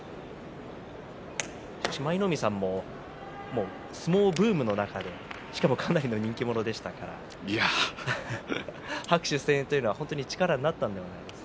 舞の海さんも相撲ブームの中でしかもかなりの人気者でしたから拍手、声援というのは本当に力になったのではないですか。